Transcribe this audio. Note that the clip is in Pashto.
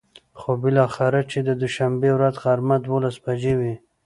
خو بلااخره چې د دوشنبې ورځ غرمه ،دولس بچې وې.